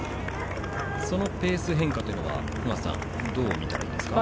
そのペース変化は尾方さん、どう見たらいいですか。